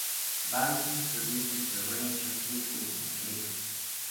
Bahlsen produces a range of biscuits and cakes.